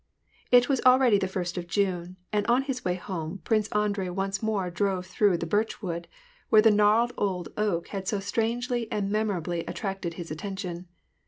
It was already the first of June, and on his way home, Prince Andrei once more drove through the birch wood, where the gnarled old oak had so strangely and memorably attracted his attention.